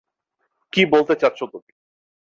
কী বলতে চাচ্ছ তুমি?